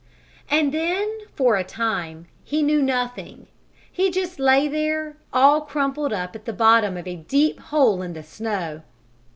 And then for a time he knew nothing. He just lay there, all crumpled up at the bottom of a deep hole in the snow.